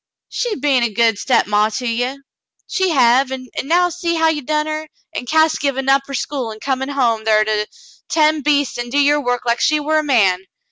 She be'n a good stepmaw to ye, she hev, an' now see how you done her, an' Cass givin' up her school an' comin' home thar to ten' beastes an' do your work like she war a man.